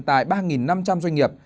tại ba năm trăm linh doanh nghiệp